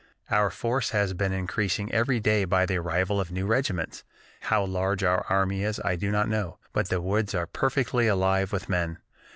"Our force has been increasing every day by the arrival of new regiments. How large our army is I do not know, but the woods are perfectly alive with men.